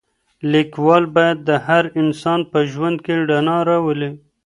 ليکوال بايد د هر انسان په ژوند کي رڼا راولي.